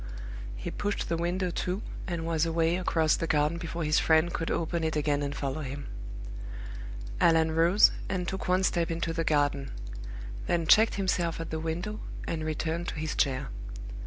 He pushed the window to, and was away across the garden before his friend could open it again and follow him. Allan rose, and took one step into the garden; then checked himself at the window, and returned to his chair.